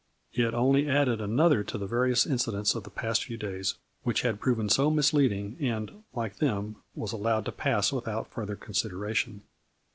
It only added another to the various incidents of the past few days which had proven so misleading and, like them, was allowed to pass without further consideration.